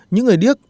những người điếc